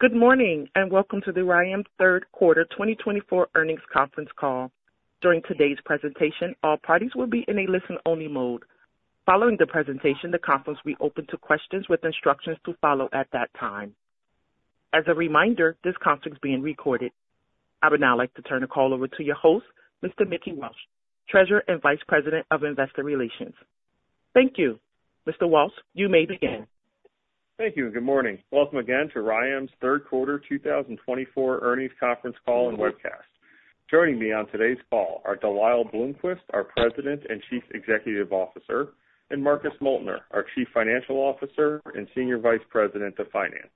Good morning and welcome to the RYAM Third Quarter 2024 Earnings Conference Call. During today's presentation, all parties will be in a listen-only mode. Following the presentation, the conference will be open to questions with instructions to follow at that time. As a reminder, this conference is being recorded. I would now like to turn the call over to your host, Mr. Mickey Walsh, Treasurer and Vice President of Investor Relations. Thank you. Mr. Walsh, you may begin. Thank you. Good morning. Welcome again to RYAM's Third Quarter 2024 Earnings Conference Call and Webcast. Joining me on today's call are De Lyle Bloomquist, our President and Chief Executive Officer, and Marcus Moeltner, our Chief Financial Officer and Senior Vice President of Finance.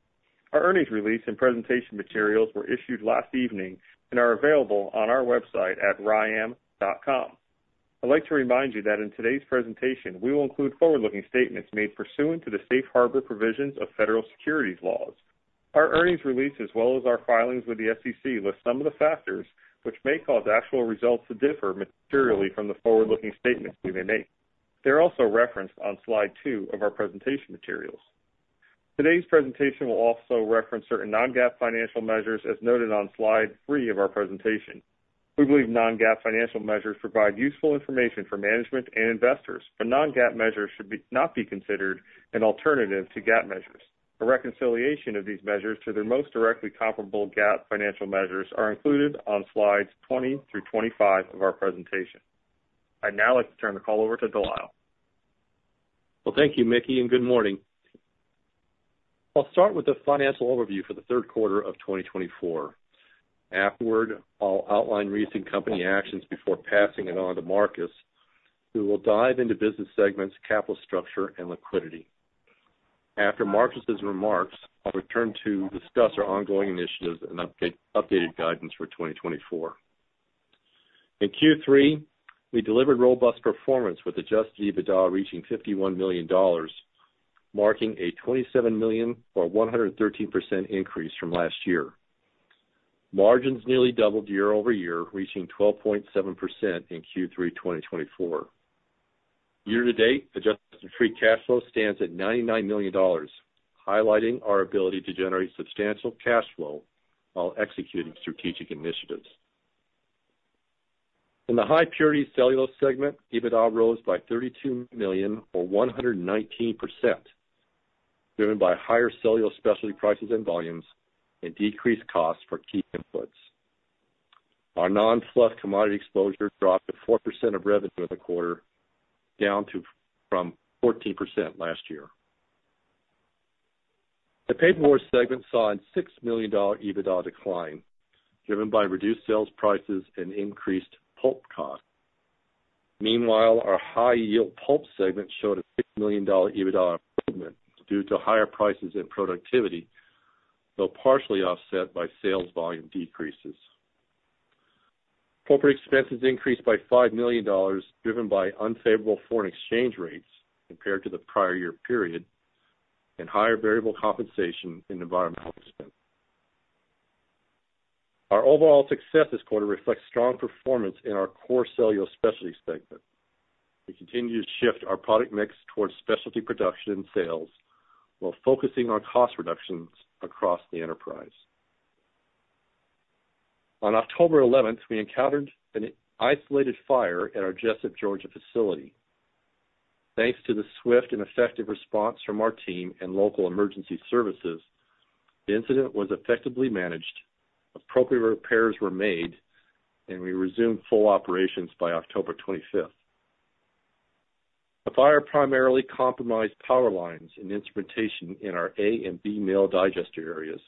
Our earnings release and presentation materials were issued last evening and are available on our website at ryam.com. I'd like to remind you that in today's presentation, we will include forward-looking statements made pursuant to the safe harbor provisions of federal securities laws. Our earnings release, as well as our filings with the SEC, list some of the factors which may cause actual results to differ materially from the forward-looking statements we may make. They're also referenced on slide two of our presentation materials. Today's presentation will also reference certain non-GAAP financial measures, as noted on slide three of our presentation. We believe non-GAAP financial measures provide useful information for management and investors, but non-GAAP measures should not be considered an alternative to GAAP measures. A reconciliation of these measures to their most directly comparable GAAP financial measures is included on slides 20 through 25 of our presentation. I'd now like to turn the call over to De Lyle. Thank you, Mickey, and good morning. I'll start with a financial overview for the third quarter of 2024. Afterward, I'll outline recent company actions before passing it on to Marcus, who will dive into business segments, capital structure, and liquidity. After Marcus's remarks, I'll return to discuss our ongoing initiatives and updated guidance for 2024. In Q3, we delivered robust performance, with Adjusted EBITDA reaching $51 million, marking a 27 million or 113% increase from last year. Margins nearly doubled year over year, reaching 12.7% in Q3 2024. Year-to-date, Adjusted Free Cash Flow stands at $99 million, highlighting our ability to generate substantial cash flow while executing strategic initiatives. In the high-purity cellulose segment, EBITDA rose by 32 million or 119%, driven by higher cellulose specialty prices and volumes and decreased costs for key inputs. Our non-HPC commodity exposure dropped to 4% of revenue in the quarter, down from 14% last year. The paperboard segment saw a $6 million EBITDA decline, driven by reduced sales prices and increased pulp costs. Meanwhile, our high-yield pulp segment showed a $6 million EBITDA improvement due to higher prices and productivity, though partially offset by sales volume decreases. Corporate expenses increased by $5 million, driven by unfavorable foreign exchange rates compared to the prior year period and higher variable compensation and environmental expenses. Our overall success this quarter reflects strong performance in our core cellulose specialty segment. We continue to shift our product mix towards specialty production and sales, while focusing on cost reductions across the enterprise. On October 11th, we encountered an isolated fire at our Jessup, Georgia, facility. Thanks to the swift and effective response from our team and local emergency services, the incident was effectively managed, appropriate repairs were made, and we resumed full operations by October 25th. The fire primarily compromised power lines and instrumentation in our A and B mill digester areas.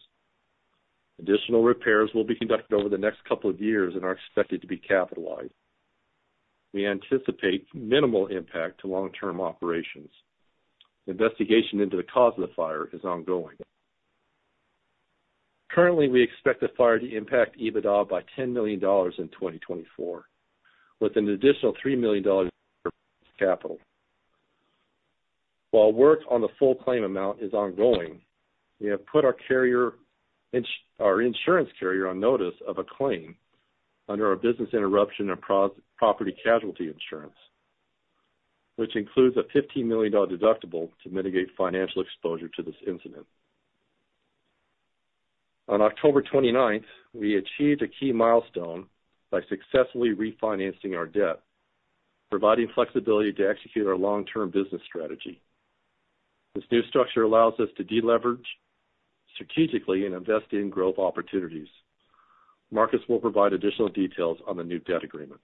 Additional repairs will be conducted over the next couple of years and are expected to be capitalized. We anticipate minimal impact to long-term operations. Investigation into the cause of the fire is ongoing. Currently, we expect the fire to impact EBITDA by $10 million in 2024, with an additional $3 million in capital improvement. While work on the full claim amount is ongoing, we have put our insurance carrier on notice of a claim under our business interruption and property casualty insurance, which includes a $15 million deductible to mitigate financial exposure to this incident. On October 29th, we achieved a key milestone by successfully refinancing our debt, providing flexibility to execute our long-term business strategy. This new structure allows us to deleverage strategically and invest in growth opportunities. Marcus will provide additional details on the new debt agreement.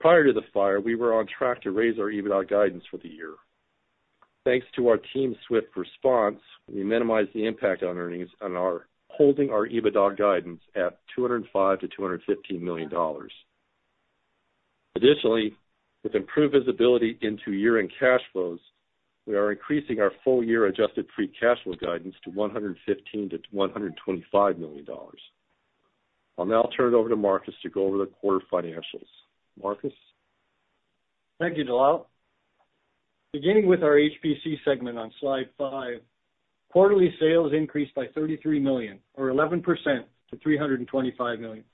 Prior to the fire, we were on track to raise our EBITDA guidance for the year. Thanks to our team's swift response, we minimized the impact on earnings and are holding our EBITDA guidance at $205-$215 million. Additionally, with improved visibility into year-end cash flows, we are increasing our full-year adjusted free cash flow guidance to $115-$125 million. I'll now turn it over to Marcus to go over the quarter financials. Marcus? Thank you, De Lyle. Beginning with our HPC segment on slide five, quarterly sales increased by $33 million, or 11%, to $325 million.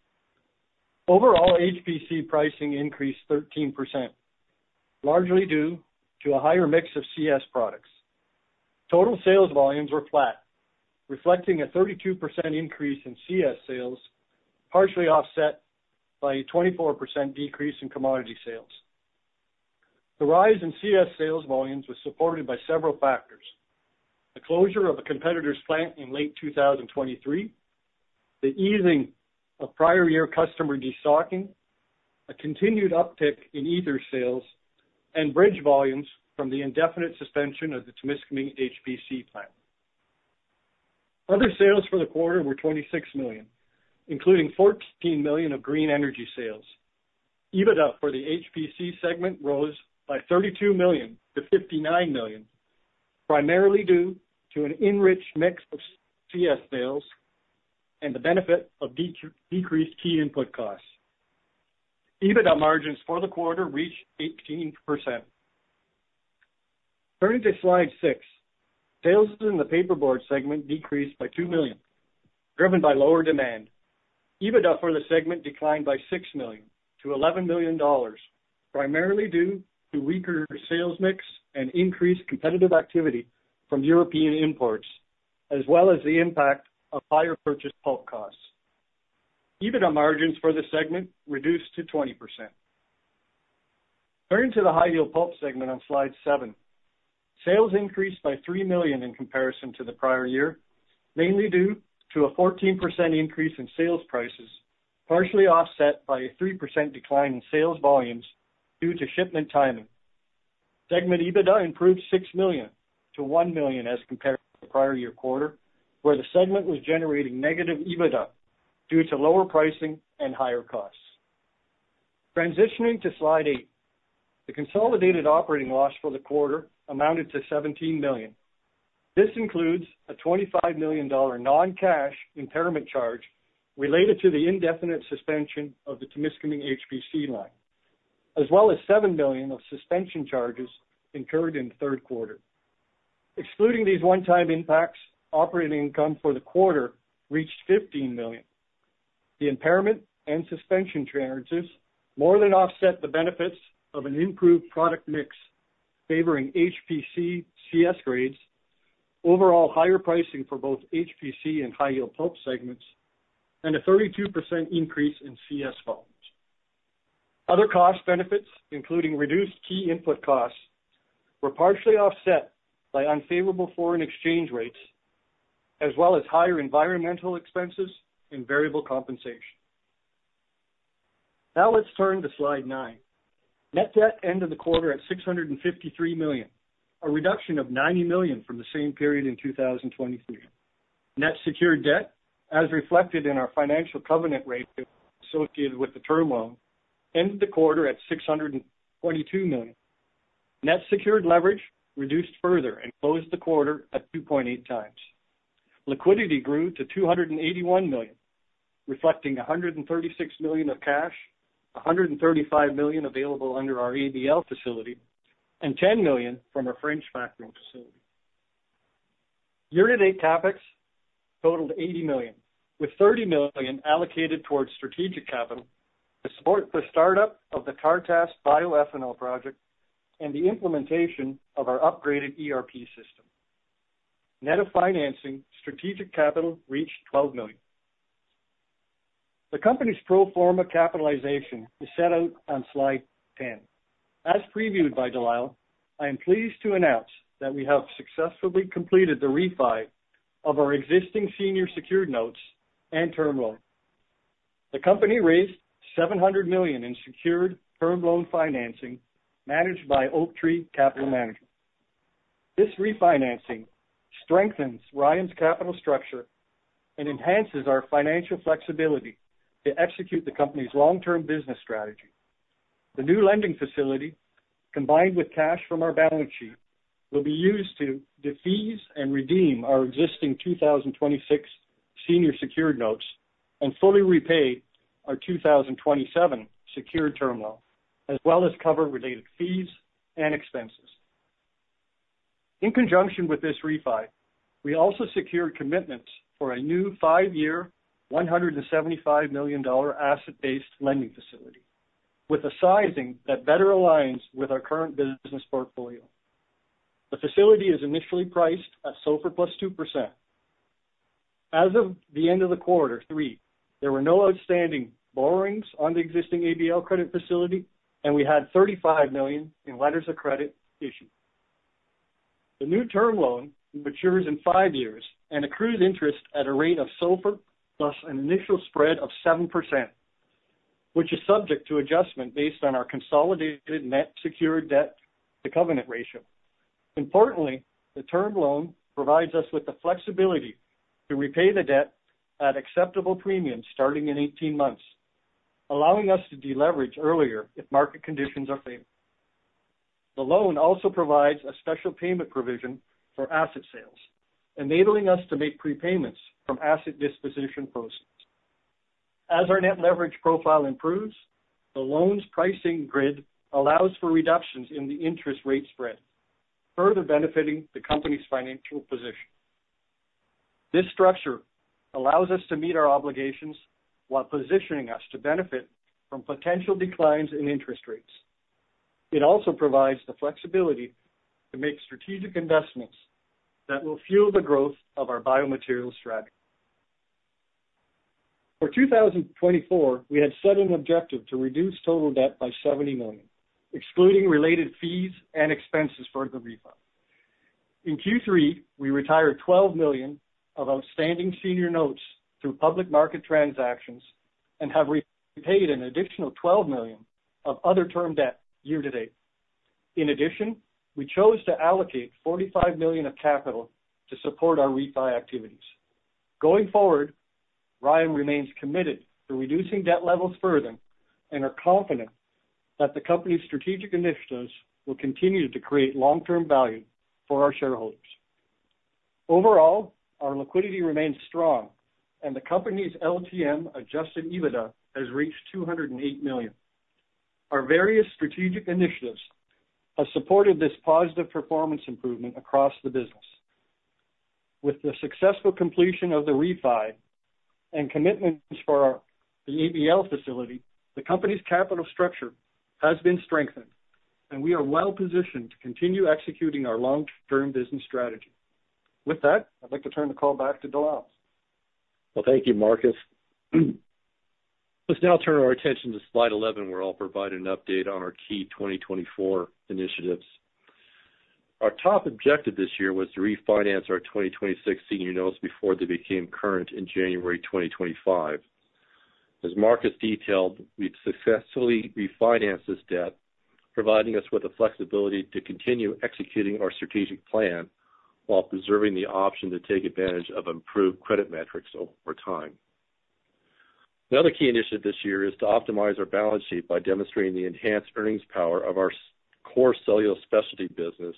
Overall, HPC pricing increased 13%, largely due to a higher mix of CS products. Total sales volumes were flat, reflecting a 32% increase in CS sales, partially offset by a 24% decrease in commodity sales. The rise in CS sales volumes was supported by several factors: the closure of a competitor's plant in late 2023, the easing of prior-year customer destocking, a continued uptick in ethers sales, and bridge volumes from the indefinite suspension of the Temiscaming HPC plant. Other sales for the quarter were $26 million, including $14 million of green energy sales. EBITDA for the HPC segment rose by $32 million to $59 million, primarily due to an enriched mix of CS sales and the benefit of decreased key input costs. EBITDA margins for the quarter reached 18%. Turning to slide six, sales in the paperboard segment decreased by $2 million, driven by lower demand. EBITDA for the segment declined by $6 million to $11 million, primarily due to weaker sales mix and increased competitive activity from European imports, as well as the impact of higher purchase pulp costs. EBITDA margins for the segment reduced to 20%. Turning to the high-yield pulp segment on slide seven, sales increased by $3 million in comparison to the prior year, mainly due to a 14% increase in sales prices, partially offset by a 3% decline in sales volumes due to shipment timing. Segment EBITDA improved $6 million to $1 million as compared to the prior-year quarter, where the segment was generating negative EBITDA due to lower pricing and higher costs. Transitioning to slide eight, the consolidated operating loss for the quarter amounted to $17 million. This includes a $25 million non-cash impairment charge related to the indefinite suspension of the Temiscaming HPC line, as well as $7 million of suspension charges incurred in the third quarter. Excluding these one-time impacts, operating income for the quarter reached $15 million. The impairment and suspension charges more than offset the benefits of an improved product mix favoring HPC CS grades, overall higher pricing for both HPC and high-yield pulp segments, and a 32% increase in CS volumes. Other cost benefits, including reduced key input costs, were partially offset by unfavorable foreign exchange rates, as well as higher environmental expenses and variable compensation. Now let's turn to slide nine. Net debt ended the quarter at $653 million, a reduction of $90 million from the same period in 2023. Net secured debt, as reflected in our financial covenant rate associated with the term loan, ended the quarter at $622 million. Net secured leverage reduced further and closed the quarter at 2.8 times. Liquidity grew to $281 million, reflecting $136 million of cash, $135 million available under our ABL facility, and $10 million from our French factory facility. Year-to-date CapEx totaled $80 million, with $30 million allocated towards strategic capital to support the startup of the Tartas bioethanol project and the implementation of our upgraded ERP system. Net of financing, strategic capital reached $12 million. The company's pro forma capitalization is set out on slide 10. As previewed by De Lyle, I am pleased to announce that we have successfully completed the refi of our existing senior secured notes and term loan. The company raised $700 million in secured term loan financing managed by Oaktree Capital Management. This refinancing strengthens RYAM's capital structure and enhances our financial flexibility to execute the company's long-term business strategy. The new lending facility, combined with cash from our balance sheet, will be used to defease and redeem our existing 2026 senior secured notes and fully repay our 2027 secured term loan, as well as cover related fees and expenses. In conjunction with this refi, we also secured commitments for a new five-year, $175 million asset-based lending facility, with a sizing that better aligns with our current business portfolio. The facility is initially priced at SOFR plus 2%. As of the end of the third quarter, there were no outstanding borrowings on the existing ABL credit facility, and we had $35 million in letters of credit issued. The new term loan matures in five years and accrues interest at a rate of SOFR plus an initial spread of 7%, which is subject to adjustment based on our consolidated net secured debt to covenant ratio. Importantly, the term loan provides us with the flexibility to repay the debt at acceptable premiums starting in 18 months, allowing us to deleverage earlier if market conditions are favorable. The loan also provides a special payment provision for asset sales, enabling us to make prepayments from asset disposition proceeds. As our net leverage profile improves, the loan's pricing grid allows for reductions in the interest rate spread, further benefiting the company's financial position. This structure allows us to meet our obligations while positioning us to benefit from potential declines in interest rates. It also provides the flexibility to make strategic investments that will fuel the growth of our biomaterials strategy. For 2024, we had set an objective to reduce total debt by $70 million, excluding related fees and expenses for the refi. In Q3, we retired $12 million of outstanding senior notes through public market transactions and have repaid an additional $12 million of other term debt year-to-date. In addition, we chose to allocate $45 million of capital to support our refi activities. Going forward, RYAM remains committed to reducing debt levels further and are confident that the company's strategic initiatives will continue to create long-term value for our shareholders. Overall, our liquidity remains strong, and the company's LTM adjusted EBITDA has reached $208 million. Our various strategic initiatives have supported this positive performance improvement across the business. With the successful completion of the refi and commitments for the ABL facility, the company's capital structure has been strengthened, and we are well-positioned to continue executing our long-term business strategy. With that, I'd like to turn the call back to De Lyle. Thank you, Marcus. Let's now turn our attention to slide 11, where I'll provide an update on our key 2024 initiatives. Our top objective this year was to refinance our 2026 senior notes before they became current in January 2025. As Marcus detailed, we've successfully refinanced this debt, providing us with the flexibility to continue executing our strategic plan while preserving the option to take advantage of improved credit metrics over time. Another key initiative this year is to optimize our balance sheet by demonstrating the enhanced earnings power of our core Cellulose Specialties business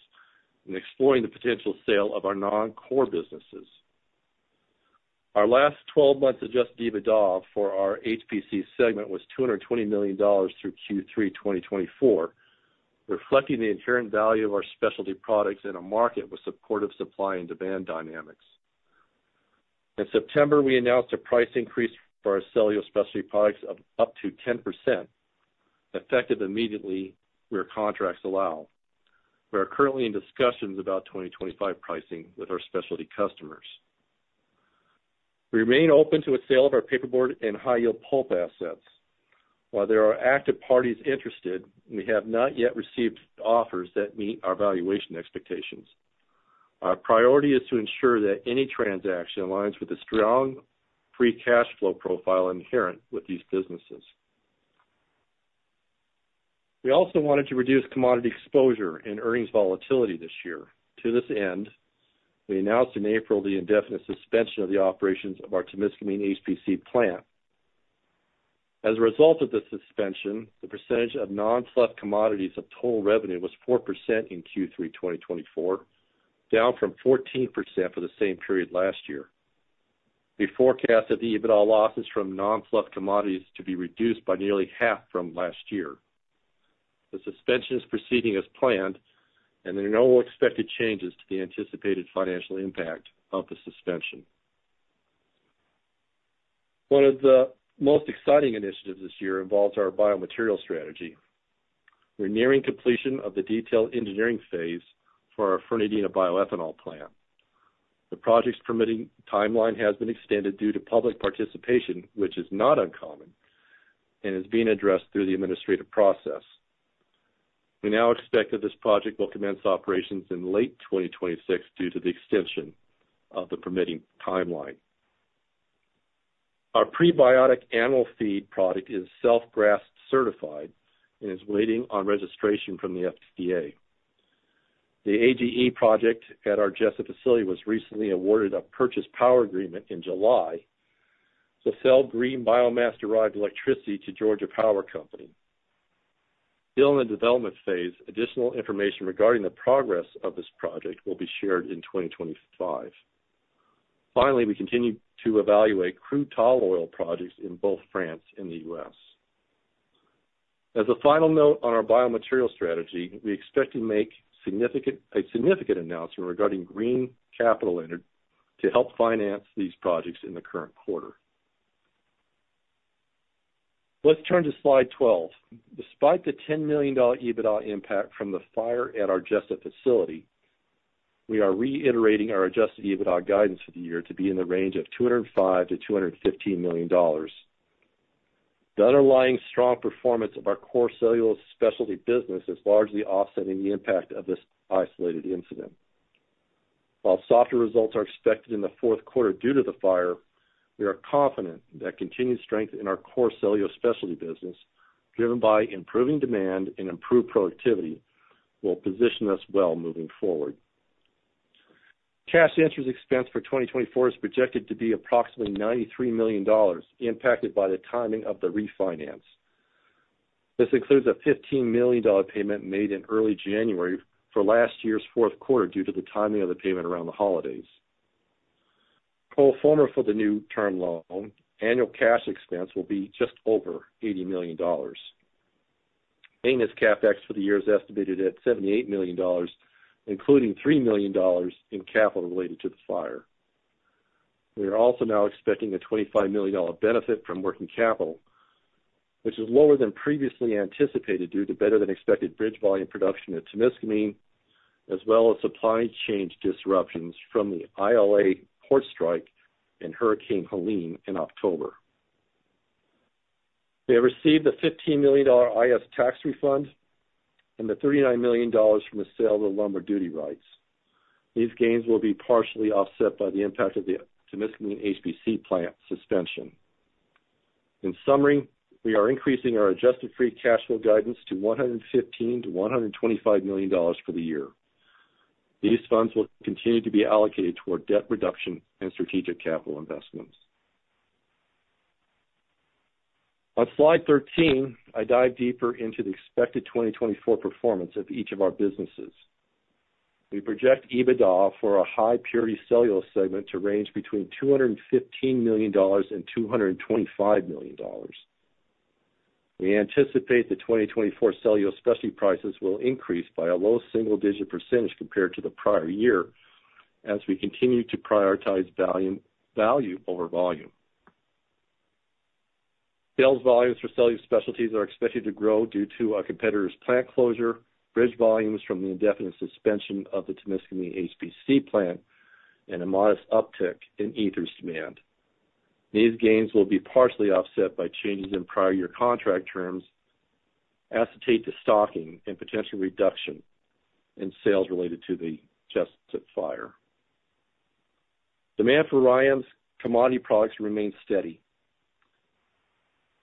and exploring the potential sale of our non-core businesses. Our last 12-month adjusted EBITDA for our HPC segment was $220 million through Q3 2024, reflecting the inherent value of our specialty products in a market with supportive supply and demand dynamics. In September, we announced a price increase for our cellulose specialty products of up to 10%, effective immediately where contracts allow. We are currently in discussions about 2025 pricing with our specialty customers. We remain open to a sale of our paperboard and high-yield pulp assets. While there are active parties interested, we have not yet received offers that meet our valuation expectations. Our priority is to ensure that any transaction aligns with the strong free cash flow profile inherent with these businesses. We also wanted to reduce commodity exposure and earnings volatility this year. To this end, we announced in April the indefinite suspension of the operations of our Temiscaming HPC plant. As a result of the suspension, the percentage of non-fluff commodities of total revenue was 4% in Q3 2024, down from 14% for the same period last year. We forecast that the EBITDA losses from non-fluff commodities to be reduced by nearly half from last year. The suspension is proceeding as planned, and there are no expected changes to the anticipated financial impact of the suspension. One of the most exciting initiatives this year involves our biomaterials strategy. We're nearing completion of the detailed engineering phase for our Fernandina bioethanol plant. The project's permitting timeline has been extended due to public participation, which is not uncommon and is being addressed through the administrative process. We now expect that this project will commence operations in late 2026 due to the extension of the permitting timeline. Our prebiotic animal feed product is self-GRAS certified and is waiting on registration from the FDA. The AGE project at our Jessup facility was recently awarded a power purchase agreement in July to sell green biomass-derived electricity to Georgia Power Company. Still in the development phase, additional information regarding the progress of this project will be shared in 2025. Finally, we continue to evaluate crude tall oil projects in both France and the U.S. As a final note on our biomaterials strategy, we expect to make a significant announcement regarding green capital to help finance these projects in the current quarter. Let's turn to slide 12. Despite the $10 million EBITDA impact from the fire at our Jessup facility, we are reiterating our adjusted EBITDA guidance for the year to be in the range of $205 million-$215 million. The underlying strong performance of our core cellulose specialties business is largely offsetting the impact of this isolated incident. While softer results are expected in the fourth quarter due to the fire, we are confident that continued strength in our core cellulose specialty business, driven by improving demand and improved productivity, will position us well moving forward. Cash interest expense for 2024 is projected to be approximately $93 million impacted by the timing of the refinance. This includes a $15 million payment made in early January for last year's fourth quarter due to the timing of the payment around the holidays. Going forward for the new term loan, annual cash expense will be just over $80 million. Maintenance CapEx for the year is estimated at $78 million, including $3 million in capital related to the fire. We are also now expecting a $25 million benefit from working capital, which is lower than previously anticipated due to better-than-expected bridge volume production at Temiscaming, as well as supply chain disruptions from the ILA port strike and Hurricane Helene in October. We have received the $15 million IRS tax refund and the $39 million from the sale of the lumber duty rights. These gains will be partially offset by the impact of the Temiscaming HPC plant suspension. In summary, we are increasing our adjusted free cash flow guidance to $115-$125 million for the year. These funds will continue to be allocated toward debt reduction and strategic capital investments. On slide 13, I dive deeper into the expected 2024 performance of each of our businesses. We project EBITDA for a high-purity cellulose segment to range between $215-$225 million. We anticipate the 2024 cellulose specialties prices will increase by a low single-digit percentage compared to the prior year as we continue to prioritize value over volume. Sales volumes for cellulose specialties are expected to grow due to our competitors' plant closure, bridge volumes from the indefinite suspension of the Temiscaming HPC plant, and a modest uptick in ethers' demand. These gains will be partially offset by changes in prior-year contract terms, asset-to-stocking, and potential reduction in sales related to the Jessup fire. Demand for RYAM's commodity products remains steady.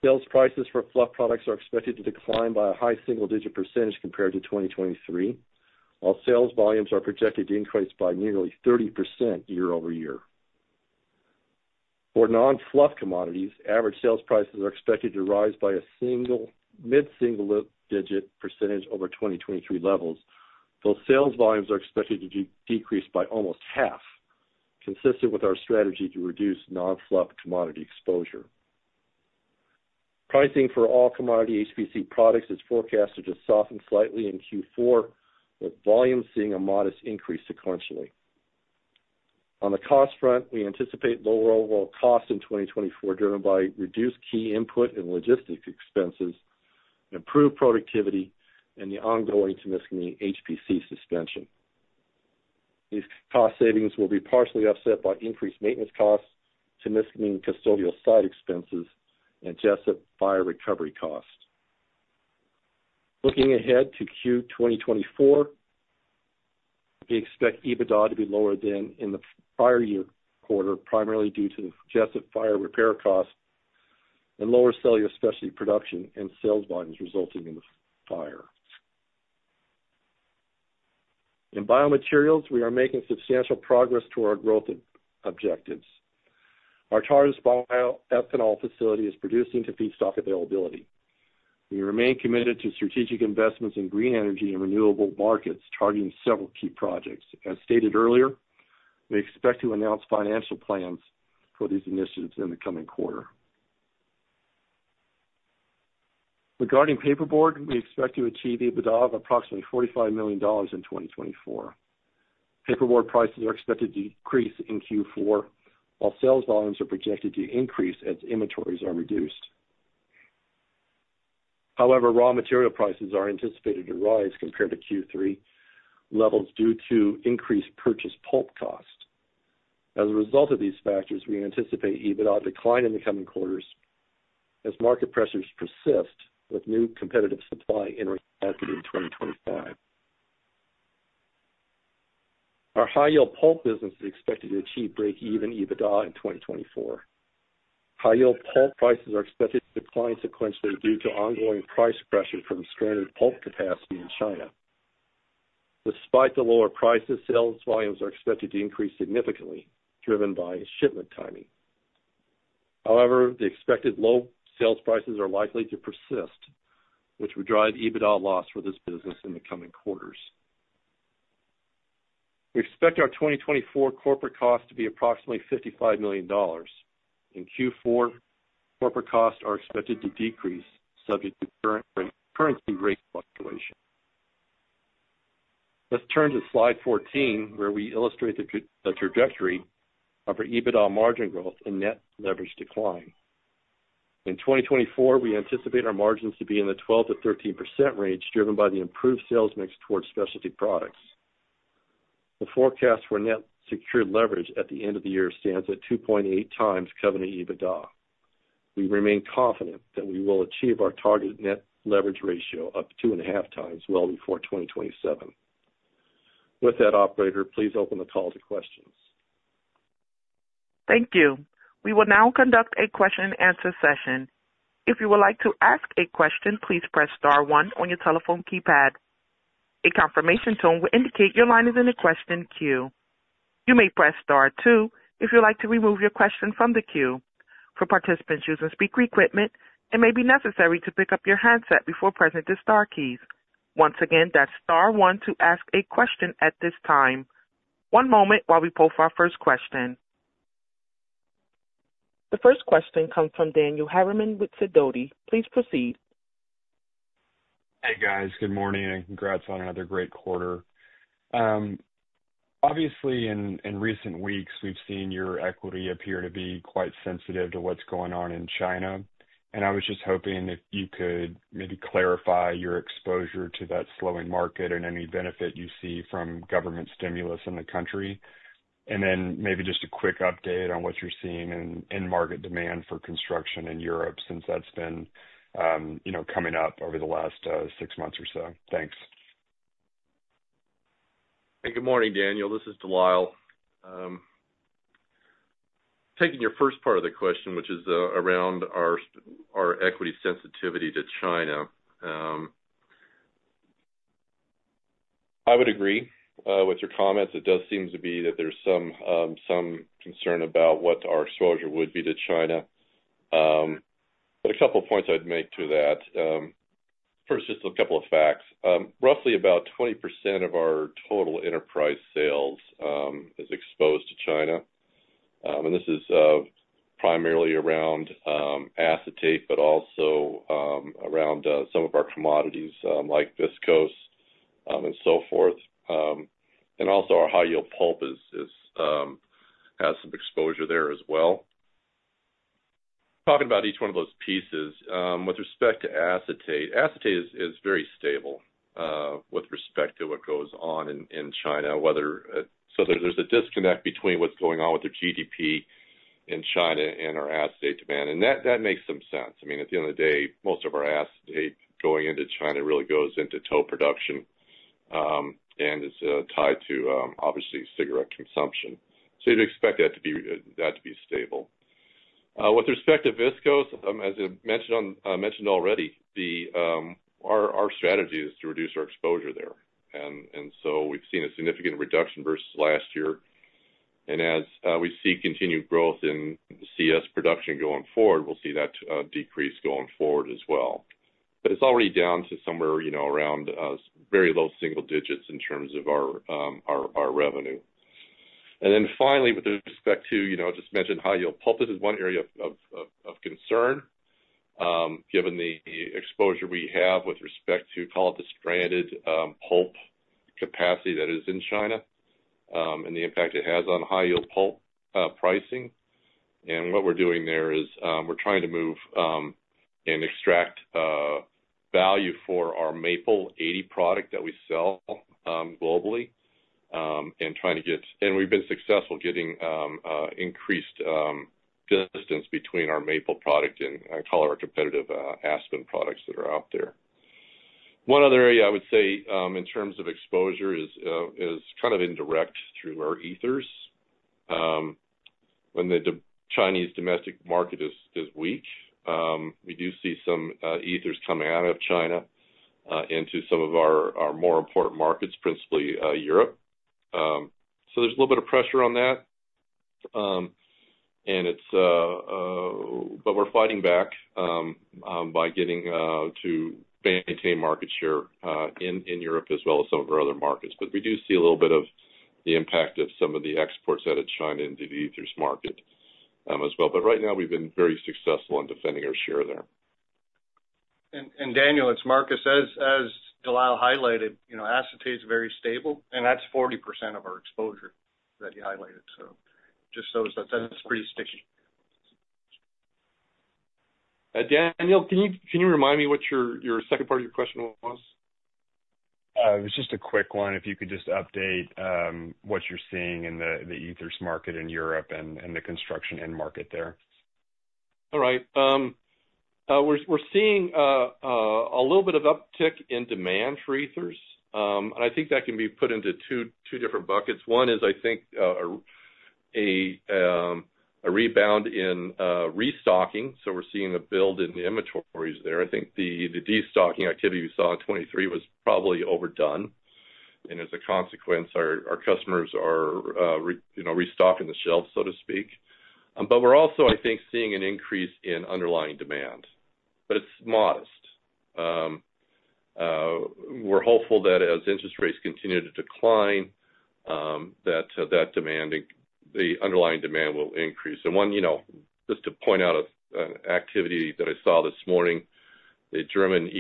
Sales prices for fluff products are expected to decline by a high single-digit percentage compared to 2023, while sales volumes are projected to increase by nearly 30% year-over-year. For non-fluff commodities, average sales prices are expected to rise by a mid-single-digit % over 2023 levels, though sales volumes are expected to decrease by almost half, consistent with our strategy to reduce non-fluff commodity exposure. Pricing for all commodity HPC products is forecasted to soften slightly in Q4, with volumes seeing a modest increase sequentially. On the cost front, we anticipate lower overall costs in 2024, driven by reduced key input and logistics expenses, improved productivity, and the ongoing Temiscaming HPC suspension. These cost savings will be partially offset by increased maintenance costs, Temiscaming custodial site expenses, and Jessup fire recovery costs. Looking ahead to Q1 2024, we expect EBITDA to be lower than in the prior year quarter, primarily due to the Jessup fire repair costs and lower cellulose specialties production and sales volumes resulting from the fire. In biomaterials, we are making substantial progress toward our growth objectives. Our Tartas bioethanol facility is producing to feedstock availability. We remain committed to strategic investments in green energy and renewable markets, targeting several key projects. As stated earlier, we expect to announce financial plans for these initiatives in the coming quarter. Regarding paperboard, we expect to achieve EBITDA of approximately $45 million in 2024. Paperboard prices are expected to decrease in Q4, while sales volumes are projected to increase as inventories are reduced. However, raw material prices are anticipated to rise compared to Q3 levels due to increased purchase pulp costs. As a result of these factors, we anticipate EBITDA decline in the coming quarters as market pressures persist with new competitive supply in 2025. Our high-yield pulp business is expected to achieve break-even EBITDA in 2024. High-yield pulp prices are expected to decline sequentially due to ongoing price pressure from stranded pulp capacity in China. Despite the lower prices, sales volumes are expected to increase significantly, driven by shipment timing. However, the expected low sales prices are likely to persist, which would drive EBITDA loss for this business in the coming quarters. We expect our 2024 corporate costs to be approximately $55 million. In Q4, corporate costs are expected to decrease subject to current currency rate fluctuation. Let's turn to slide 14, where we illustrate the trajectory of our EBITDA margin growth and net leverage decline. In 2024, we anticipate our margins to be in the 12%-13% range, driven by the improved sales mix toward specialty products. The forecast for net secured leverage at the end of the year stands at 2.8 times Covenant EBITDA. We remain confident that we will achieve our target net leverage ratio of two and a half times well before 2027. With that, Operator, please open the call to questions. Thank you. We will now conduct a question-and-answer session. If you would like to ask a question, please press star one on your telephone keypad. A confirmation tone will indicate your line is in a question queue. You may press star two if you'd like to remove your question from the queue. For participants using speaker equipment, it may be necessary to pick up your handset before pressing the star keys. Once again, that's star one to ask a question at this time. One moment while we pull for our first question. The first question comes from Daniel Harriman with Sidoti & Company. Please proceed. Hey, guys. Good morning and congrats on another great quarter. Obviously, in recent weeks, we've seen your equity appear to be quite sensitive to what's going on in China. And I was just hoping if you could maybe clarify your exposure to that slowing market and any benefit you see from government stimulus in the country. And then maybe just a quick update on what you're seeing in market demand for construction in Europe since that's been coming up over the last six months or so. Thanks. Hey, good morning, Daniel. This is De Lyle. Taking your first part of the question, which is around our equity sensitivity to China. I would agree with your comments. It does seem to be that there's some concern about what our exposure would be to China. But a couple of points I'd make to that. First, just a couple of facts. Roughly about 20% of our total enterprise sales is exposed to China, and this is primarily around acetate, but also around some of our commodities like viscose and so forth, and also, our high-yield pulp has some exposure there as well. Talking about each one of those pieces, with respect to acetate, acetate is very stable with respect to what goes on in China. So there's a disconnect between what's going on with the GDP in China and our acetate demand, and that makes some sense. I mean, at the end of the day, most of our acetate going into China really goes into tow production and is tied to, obviously, cigarette consumption. So you'd expect that to be stable. With respect to viscose, as I mentioned already, our strategy is to reduce our exposure there. And so we've seen a significant reduction versus last year. And as we see continued growth in CS production going forward, we'll see that decrease going forward as well. But it's already down to somewhere around very low single digits in terms of our revenue. And then finally, with respect to, I just mentioned high-yield pulp. This is one area of concern given the exposure we have with respect to, call it the stranded pulp capacity that is in China and the impact it has on high-yield pulp pricing. What we're doing there is we're trying to move and extract value for our Maple 80 product that we sell globally and trying to get—and we've been successful getting increased distance between our Maple product and a couple of our competitive Aspen products that are out there. One other area I would say in terms of exposure is kind of indirect through our Ethers. When the Chinese domestic market is weak, we do see some Ethers coming out of China into some of our more important markets, principally Europe. So there's a little bit of pressure on that. But we're fighting back by getting to maintain market share in Europe as well as some of our other markets. But we do see a little bit of the impact of some of the exports out of China into the Ethers market as well. But right now, we've been very successful in defending our share there. And Daniel, it's Marcus. As De Lyle highlighted, acetate is very stable, and that's 40% of our exposure that you highlighted. So just shows that that's pretty sticky. Daniel, can you remind me what your second part of your question was? It was just a quick one. If you could just update what you're seeing in the ethers market in Europe and the construction end market there. All right. We're seeing a little bit of uptick in demand for ethers. And I think that can be put into two different buckets. One is, I think, a rebound in restocking. So we're seeing a build in the inventories there. I think the destocking activity we saw in 2023 was probably overdone. And as a consequence, our customers are restocking the shelves, so to speak. But we're also, I think, seeing an increase in underlying demand, but it's modest. We're hopeful that as interest rates continue to decline, that the underlying demand will increase. And just to point out an activity that I saw this morning, the German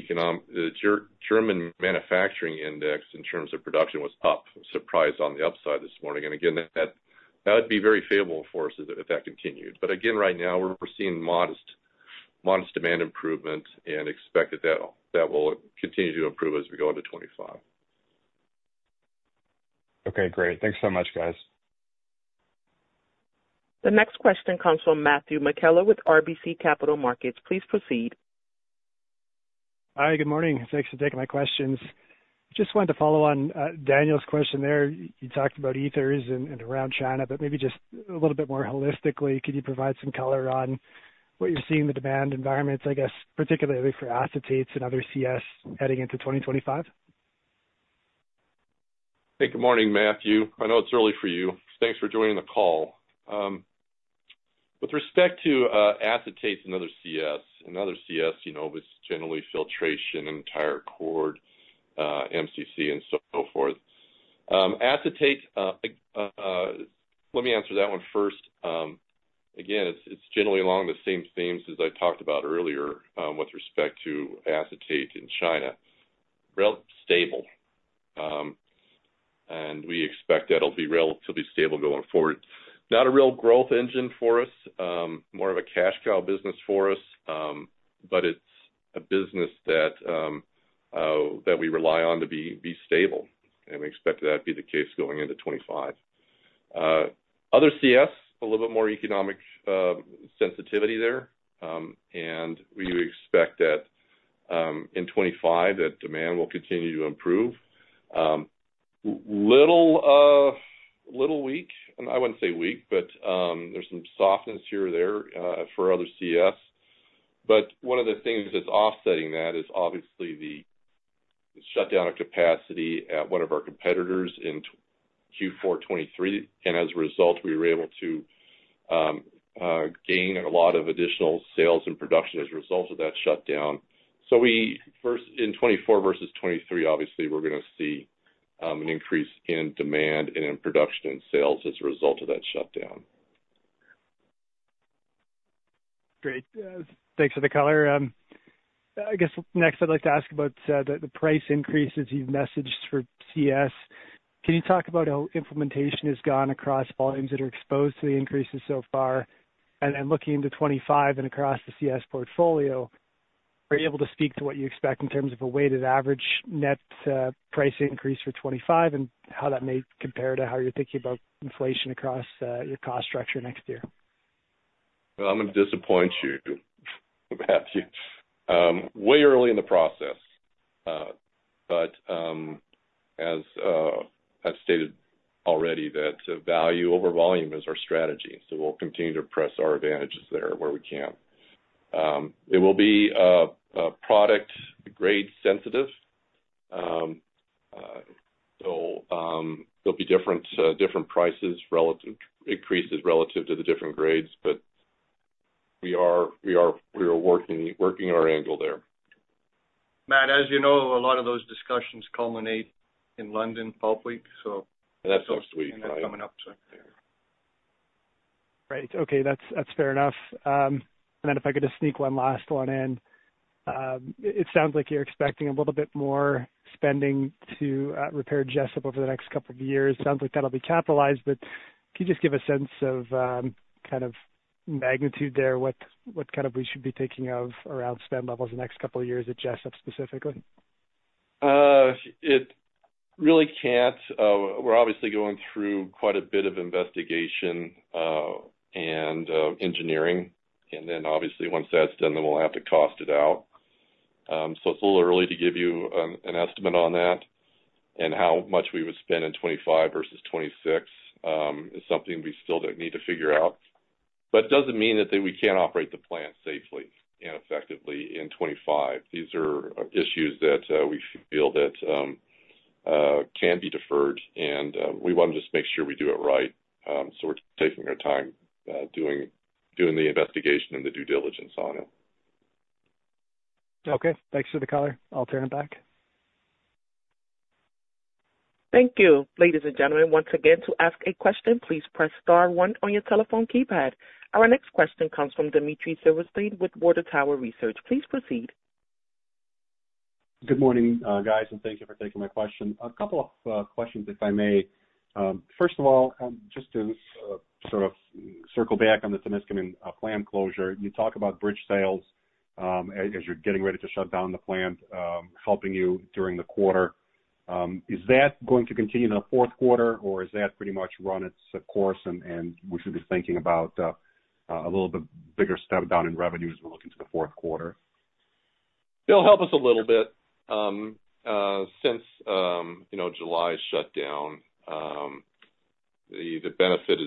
manufacturing index in terms of production was up, surprised on the upside this morning. And again, that would be very favorable for us if that continued. But again, right now, we're seeing modest demand improvement and expect that that will continue to improve as we go into 2025. Okay, great. Thanks so much, guys. The next question comes from Matthew McKellar with RBC Capital Markets. Please proceed. Hi, good morning. Thanks for taking my questions. I just wanted to follow on Daniel's question there. You talked about ethers and around China, but maybe just a little bit more holistically, could you provide some color on what you're seeing in the demand environments, I guess, particularly for acetates and other CS heading into 2025? Hey, good morning, Matthew. I know it's early for you. Thanks for joining the call. With respect to acetates and other CS, it's generally filtration, ethers, MCC, and so forth. Acetate, let me answer that one first. Again, it's generally along the same themes as I talked about earlier with respect to acetate in China. Real stable. And we expect that it'll be relatively stable going forward. Not a real growth engine for us, more of a cash cow business for us, but it's a business that we rely on to be stable. And we expect that to be the case going into 2025. Other CS, a little bit more economic sensitivity there. And we expect that in 2025, that demand will continue to improve. Little weak, and I wouldn't say weak, but there's some softness here or there for other CS. One of the things that's offsetting that is obviously the shutdown of capacity at one of our competitors in Q4 2023. As a result, we were able to gain a lot of additional sales and production as a result of that shutdown. In 2024 versus 2023, obviously, we're going to see an increase in demand and in production and sales as a result of that shutdown. Great. Thanks for the color. I guess next, I'd like to ask about the price increases you've messaged for CS. Can you talk about how implementation has gone across volumes that are exposed to the increases so far? And looking into 2025 and across the CS portfolio, are you able to speak to what you expect in terms of a weighted average net price increase for 2025 and how that may compare to how you're thinking about inflation across your cost structure next year? I'm going to disappoint you, Matthew. Way early in the process. But as I've stated already, that value over volume is our strategy. So we'll continue to press our advantages there where we can. It will be product-grade sensitive. So there'll be different price increases relative to the different grades, but we are working our angle there. Matt, as you know, a lot of those discussions culminate in London Pulp Week, so. That's next week. That's coming up. Right. Okay. That's fair enough, and then if I could just sneak one last one in. It sounds like you're expecting a little bit more spending to repair Jessup over the next couple of years. Sounds like that'll be capitalized, but can you just give a sense of kind of magnitude there, what kind of we should be thinking of around spend levels in the next couple of years at Jessup specifically? It really can't. We're obviously going through quite a bit of investigation and engineering. And then obviously, once that's done, then we'll have to cost it out. So it's a little early to give you an estimate on that. And how much we would spend in 2025 versus 2026 is something we still need to figure out. But it doesn't mean that we can't operate the plant safely and effectively in 2025. These are issues that we feel that can be deferred. And we want to just make sure we do it right. So we're taking our time doing the investigation and the due diligence on it. Okay. Thanks for the color. I'll turn it back. Thank you. Ladies and gentlemen, once again, to ask a question, please press star one on your telephone keypad. Our next question comes from Dmitry Silversteyn with Water Tower Research. Please proceed. Good morning, guys, and thank you for taking my question. A couple of questions, if I may. First of all, just to sort of circle back on the Temiscaming plant closure, you talk about bridge sales as you're getting ready to shut down the plant, helping you during the quarter. Is that going to continue in the fourth quarter, or is that pretty much run its course and we should be thinking about a little bit bigger step down in revenue as we look into the fourth quarter? It'll help us a little bit. Since July shut down, the benefit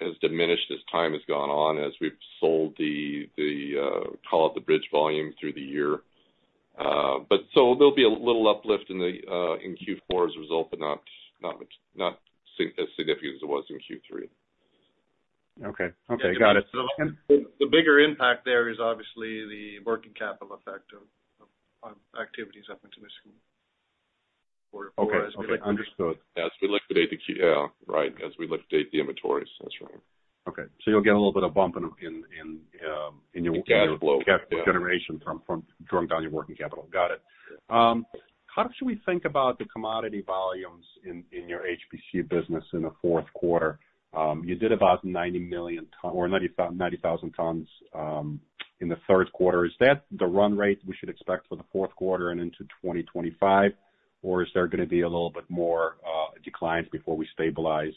has diminished as time has gone on as we've sold the, call it the bridge volume through the year. So there'll be a little uplift in Q4 as a result, but not as significant as it was in Q3. Okay. Okay. Got it. The bigger impact there is obviously the working capital effect of activities up in Temiscaming. Okay. Understood. Yeah. As we liquidate the inventories, that's right. Okay, so you'll get a little bit of bump in your. Gas flow. Capital generation from drawing down your working capital. Got it. How should we think about the commodity volumes in your HPC business in the fourth quarter? You did about 90 million or 90,000 tons in the third quarter. Is that the run rate we should expect for the fourth quarter and into 2025, or is there going to be a little bit more decline before we stabilize?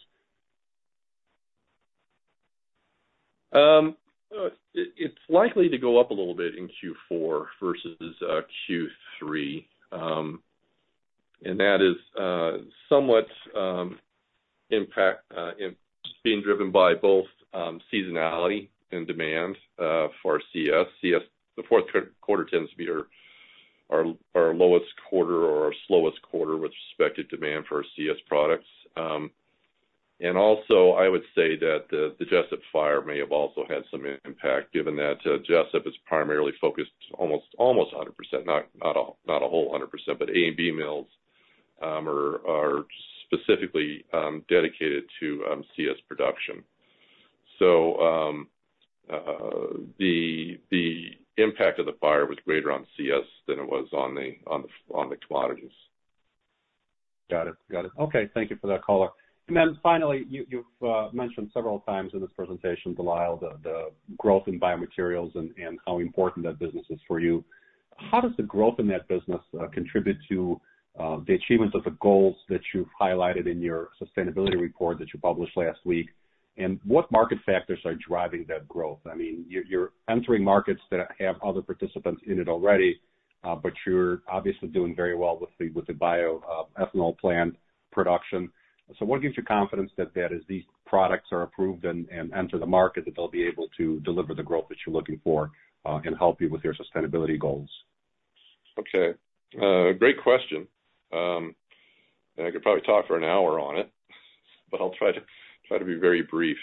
It's likely to go up a little bit in Q4 versus Q3. And that is somewhat being driven by both seasonality and demand for CS. The fourth quarter tends to be our lowest quarter or our slowest quarter with respect to demand for CS products. And also, I would say that the Jessup fire may have also had some impact, given that Jessup is primarily focused almost 100%, not a whole 100%, but A&B mills are specifically dedicated to CS production. So the impact of the fire was greater on CS than it was on the commodities. Got it. Got it. Okay. Thank you for that color. And then finally, you've mentioned several times in this presentation, De Lyle, the growth in biomaterials and how important that business is for you. How does the growth in that business contribute to the achievement of the goals that you've highlighted in your sustainability report that you published last week? And what market factors are driving that growth? I mean, you're entering markets that have other participants in it already, but you're obviously doing very well with the bioethanol plant production. So what gives you confidence that these products are approved and enter the market, that they'll be able to deliver the growth that you're looking for and help you with your sustainability goals? Okay. Great question. And I could probably talk for one hour on it, but I'll try to be very brief.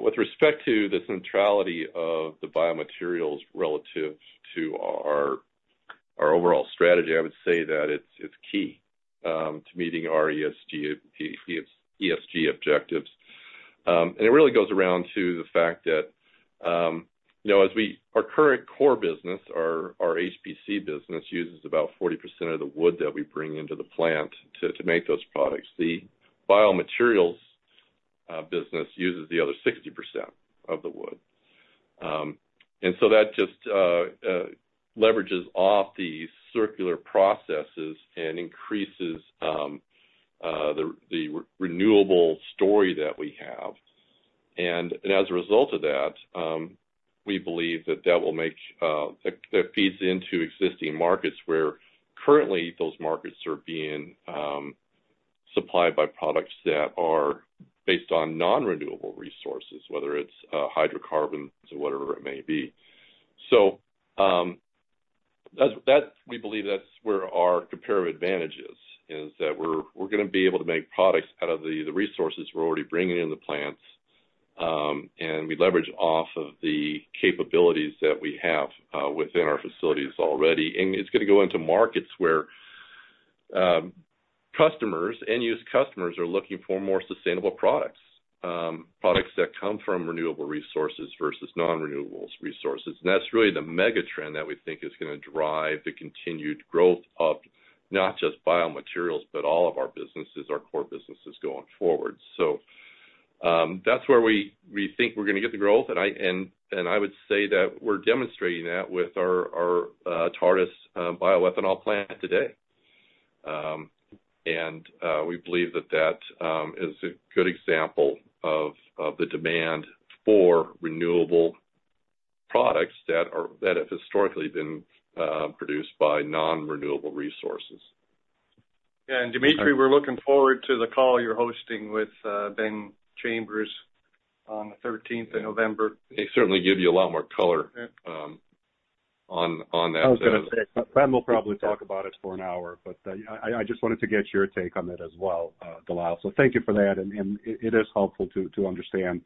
With respect to the centrality of the biomaterials relative to our overall strategy, I would say that it's key to meeting our ESG objectives. And it really goes around to the fact that our current core business, our HPC business, uses about 40% of the wood that we bring into the plant to make those products. The biomaterials business uses the other 60% of the wood. And so that just leverages off the circular processes and increases the renewable story that we have. And as a result of that, we believe that that will make that feeds into existing markets where currently those markets are being supplied by products that are based on non-renewable resources, whether it's hydrocarbons or whatever it may be. So we believe that's where our comparative advantage is, is that we're going to be able to make products out of the resources we're already bringing into the plants. And we leverage off of the capabilities that we have within our facilities already. And it's going to go into markets where customers, end-use customers, are looking for more sustainable products, products that come from renewable resources versus non-renewable resources. And that's really the mega trend that we think is going to drive the continued growth of not just biomaterials, but all of our businesses, our core businesses going forward. So that's where we think we're going to get the growth. And I would say that we're demonstrating that with our Tartas bioethanol plant today. And we believe that that is a good example of the demand for renewable products that have historically been produced by non-renewable resources. Yeah, and Dmitry, we're looking forward to the call you're hosting with Ben Chambers on the 13th of November. They certainly give you a lot more color on that. I was going to say, Ben will probably talk about it for an hour, but I just wanted to get your take on it as well, De Lyle. So thank you for that. And it is helpful to understand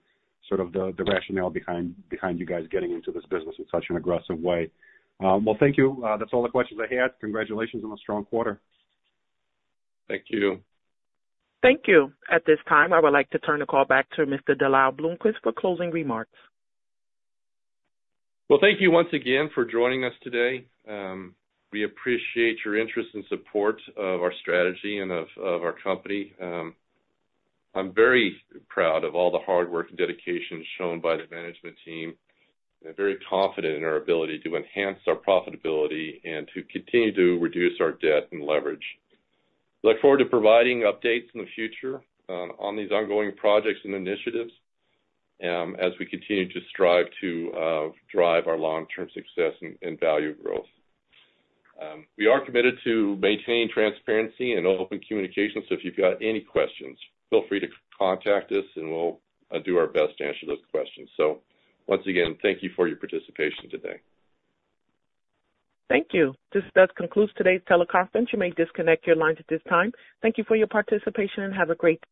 sort of the rationale behind you guys getting into this business in such an aggressive way. Well, thank you. That's all the questions I had. Congratulations on a strong quarter. Thank you. Thank you. At this time, I would like to turn the call back to Mr. De Lyle Bloomquist for closing remarks. Thank you once again for joining us today. We appreciate your interest and support of our strategy and of our company. I'm very proud of all the hard work and dedication shown by the management team. I'm very confident in our ability to enhance our profitability and to continue to reduce our debt and leverage. I look forward to providing updates in the future on these ongoing projects and initiatives as we continue to strive to drive our long-term success and value growth. We are committed to maintaining transparency and open communication. If you've got any questions, feel free to contact us, and we'll do our best to answer those questions. Once again, thank you for your participation today. Thank you. This does conclude today's teleconference. You may disconnect your lines at this time. Thank you for your participation and have a great day.